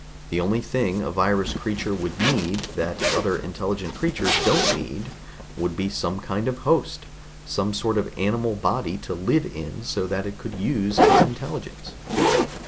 The only thing a virus creature would need that other intelligent creatures don't need would be some kind of a host, some sort of animal body to live in so that it could use its intelligence."